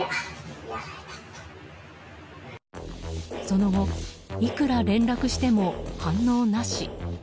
その後、いくら連絡しても反応なし。